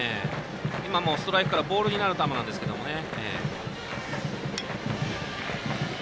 今もストライクからボールになる球なんですけどね。